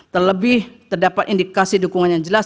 terlebih terdapat indikasi dukungan yang jelas